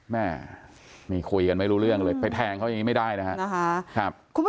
แม่นี่คุยกันไม่รู้เรื่องเลยไปแทงเขาอย่างนี้ไม่ได้นะครับ